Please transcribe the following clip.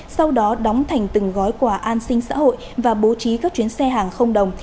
sau đó đóng thành từng gói quà an sinh xã hội và bố trí các chuyến xe hàng không đồng